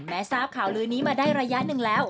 ทราบข่าวลือนี้มาได้ระยะหนึ่งแล้ว